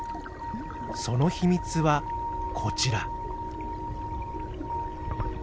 その秘密はこちら。